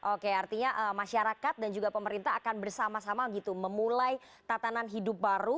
oke artinya masyarakat dan juga pemerintah akan bersama sama gitu memulai tatanan hidup baru